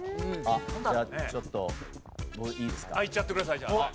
じゃあちょっと僕いいですか？いっちゃってくださいじゃあ。